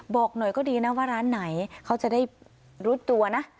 บอกหน่อยก็ดีนะว่าร้านไหนเขาจะได้รู้ตัวนะ